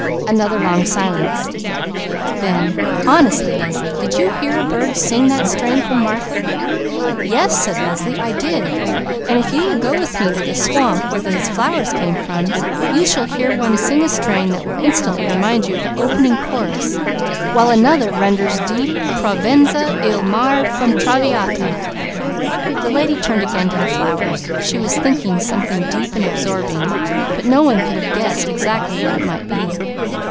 Another long silence. Then: "Honestly Leslie, did you hear a bird sing that strain from Martha?" "Yes!" said Leslie, "I did. And if you will go with me to the swamp where those flowers came from, you shall hear one sing a strain that will instantly remind you of the opening chorus, while another renders Di Provenza Il Mar from Traviata." The lady turned again to the flowers. She was thinking something deep and absorbing, but no one could have guessed exactly what it might be.